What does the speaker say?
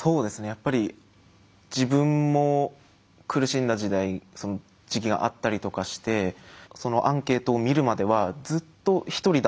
やっぱり自分も苦しんだ時代時期があったりとかしてそのアンケートを見るまではずっとひとりだと思ってたんですよ。